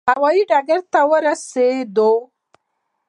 هوا یي ډګر ته ورسېدو.